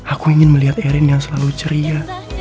aku ingin melihat erin yang selalu ceria